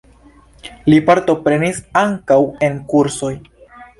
Li partoprenis ankaŭ en kursoj.